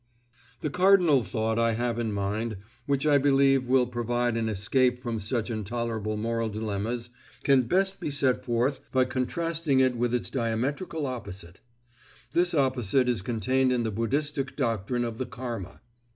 The cardinal thought I have in mind, which I believe will provide an escape from such intolerable moral dilemmas, can best be set forth by contrasting it with its diametrical opposite. This opposite is contained in the Buddhistic doctrine of the Karma.